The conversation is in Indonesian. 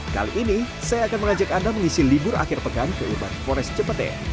kali ini saya akan mengajak anda mengisi libur akhir pekan ke uban forest cepete